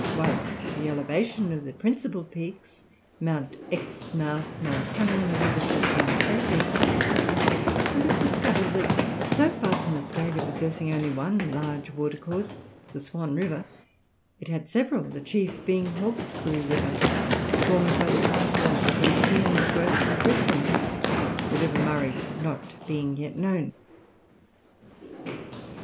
Whilst the elevation of the principal peaks, Mount Exmouth, Mount Cunningham, and others was being taken, it was discovered that so far from Australia possessing only one large watercourse, the Swan River, it had several, the chief being Hawkesbury River, formed by the confluence of the Nepean, the Grose, and the Brisbane; the river Murray not being yet known.